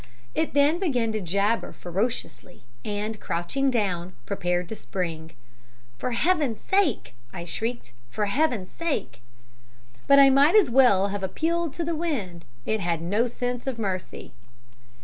"It then began to jabber ferociously, and, crouching down, prepared to spring. "'For Heaven's sake,' I shrieked, 'for Heaven's sake.' "But I might as well have appealed to the wind. It had no sense of mercy.